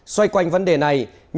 xoay quanh vấn đề này